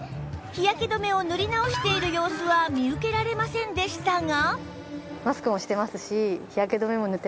日焼け止めを塗り直している様子は見受けられませんでしたが